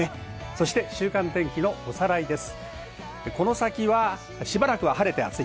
そして週間天気のおさらいです。